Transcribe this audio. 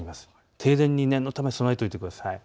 停電に念のため備えておいてください。